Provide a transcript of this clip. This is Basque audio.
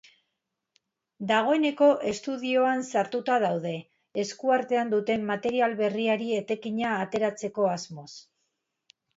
Dagoeneko estudioan sartuta daude, eskuartean duten material berriari etekina ateratzeko asmoz.